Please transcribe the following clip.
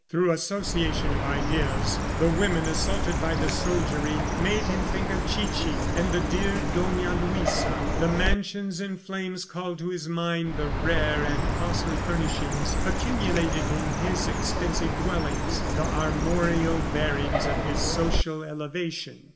Through association of ideas, the women assaulted by the soldiery, made him think of Chichi and the dear Dona Luisa. The mansions in flames called to his mind the rare and costly furnishings accumulated in his expensive dwellings the armorial bearings of his social elevation.